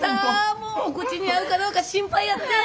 もうお口に合うかどうか心配やってん。